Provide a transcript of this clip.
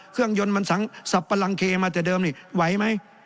เครื่องยนต์มันสับปะลังเคมาแต่เดิมนี่ไหวไหม